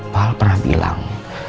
pak al pernah bilang